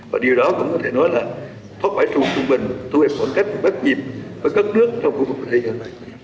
và điều đó cũng có thể nói là phát bãi trùng trung bình thu hợp một cách bất nhịp với các nước trong khu vực của thế giới này